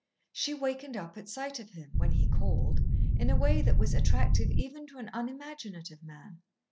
She wakened up at sight of him, when he called, in a way that was attractive even to an unimaginative man.